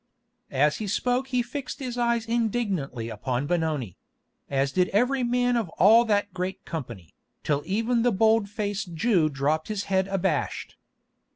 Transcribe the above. As he spoke he fixed his eyes indignantly upon Benoni; as did every man of all that great company, till even the bold faced Jew dropped his head abashed.